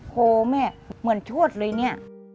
โหแม่เหมือนชวดเลยเนี่ย